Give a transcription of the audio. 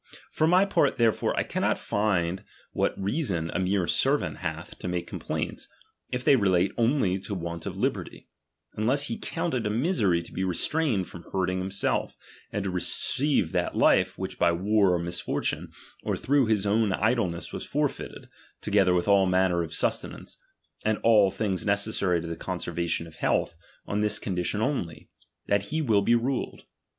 For my part therefore I cannot find what a~eason a mere sen ant hath to make complaints, if tliey relate only to want of liberty ; unless he «3<iunt it a misery to be restrained from hurting la^imself, and to receive that life, which by war, or ^■Tinisfortune, or through his own idleness was for ^<^ited, together with all manner of sustenance, ^^» Tid all things necessary to the conservation of t» ealth, on this conditiou only, that he will be *:~iiled.